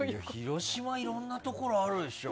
広島いろんなところあるでしょ。